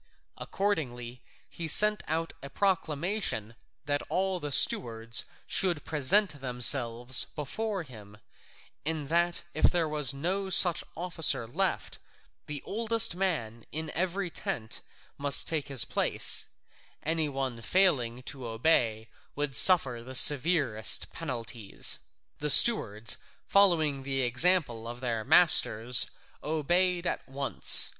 Accordingly, he sent out a proclamation that all the stewards should present themselves before him, and if there was no such officer left, the oldest man in every tent must take his place; any one failing to obey would suffer the severest penalties. The stewards, following the example of their masters, obeyed at once.